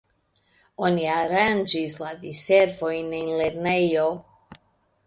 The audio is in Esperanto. Oni aranĝis la diservojn en lernejo.